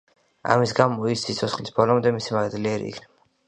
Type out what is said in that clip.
ამის გამო, ის სიცოცხლის ბოლომდე მისი მადლიერი იქნება.